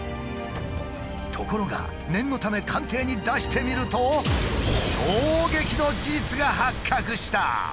ところが念のため鑑定に出してみると衝撃の事実が発覚した！